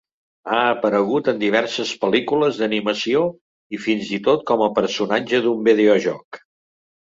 Ha aparegut en diverses pel·lícules d'animació i fins i tot com a personatge d'un videojoc.